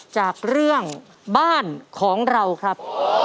จากเรื่องบ้านของเราครับ